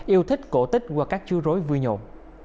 yêu thích cổ tích qua các chú rối vui nhộn